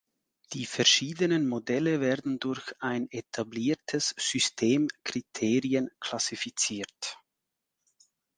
Die verschiedenen Modelle werden durch ein etabliertes System Kriterien klassifiziert.